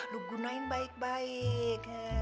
lo gunain baik baik